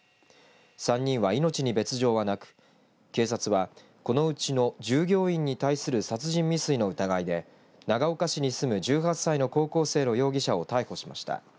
３人は命に別状はなく警察はこのうちの従業員に対する殺人未遂の疑いで長岡市に住む１８歳の高校生の容疑者を逮捕しました。